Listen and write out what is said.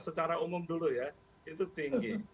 secara umum dulu ya itu tinggi